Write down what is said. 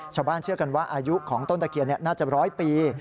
ชาวบ้านเชื่อกันว่าอายุของต้นตะเคียนน่าจะ๑๐๐ปี